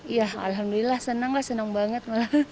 iya alhamdulillah senang lah senang banget